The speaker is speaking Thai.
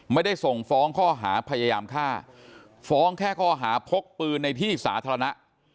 ไม่ได้ส่งฟ้องข้อหาพยายามฆ่าฟ้องแค่ข้อหาพกปืนในที่สาธารณะ